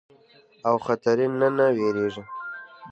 او خطري نه نۀ ويريږي